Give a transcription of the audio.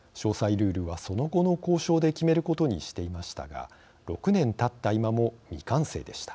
ルールは、その後の交渉で決めることにしていましたが６年たった今も未完成でした。